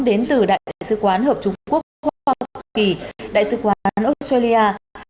đến từ đại sứ quán hợp trung quốc hoa kỳ đại sứ quán australia